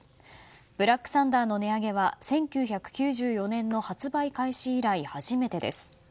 ブラックサンダーの値上げは１９９４年の発売開始以来初めてです。